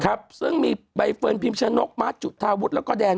ครับซึ่งมีใบเฟิร์นพิมชะนกมาร์ทจุธาวุฒิแล้วก็แดน